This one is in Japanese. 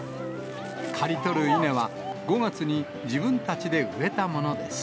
刈り取る稲は、５月に自分たちで植えたものです。